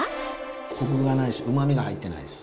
コクがないしうまみが入ってないです。